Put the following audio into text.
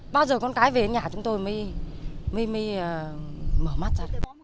bao giờ con cái về nhà chúng tôi mới mở mắt ra